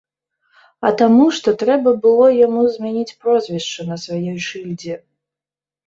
А таму, што трэба было яму змяніць прозвішча на сваёй шыльдзе.